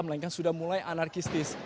melainkan sudah mulai anarkistis